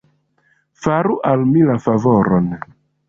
Faru al mi la favoron.